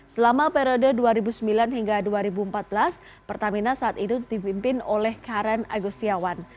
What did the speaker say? selama periode dua ribu sembilan hingga dua ribu empat belas pertamina saat itu dipimpin oleh karen agustiawan